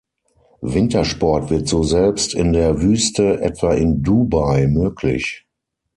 Wintersport wird so selbst in der Wüste, etwa in Dubai, möglich.